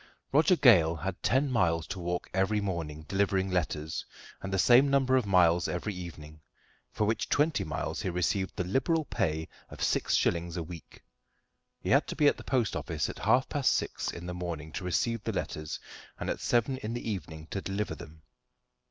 Roger Gale had ten miles to walk every morning, delivering letters, and the same number of miles every evening, for which twenty miles he received the liberal pay of six shillings a week. He had to be at the post office at half past six in the morning to receive the letters, and at seven in the evening to deliver them.